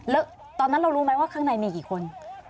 แล้วตอนนั้นเรารู้ไหมว่าข้างในมีกี่คน